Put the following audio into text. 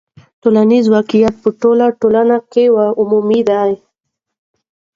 ټولنیز واقعیت په ټوله ټولنه کې عمومي دی.